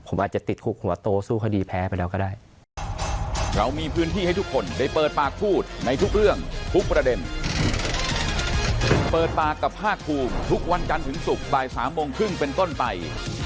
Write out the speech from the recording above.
ผมอาจจะติดคุกหัวโตสู้คดีแพ้ไปแล้วก็ได้